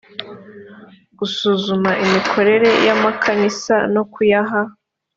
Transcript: gusuzuma imikorere y amakanisa no kuyaha